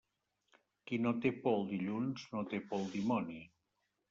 Qui no té por al dilluns, no té por al dimoni.